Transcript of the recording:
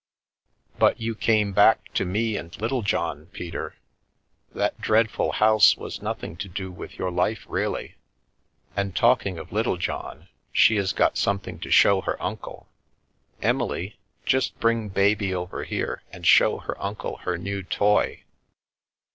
" But you came back to me and Littlejohn, Peter. That dreadful house was nothing to do with your life really. And, talking of Littlejohn, she has got some thing to show her uncle. Emily, just bring baby over here, and show her uncle her new toy."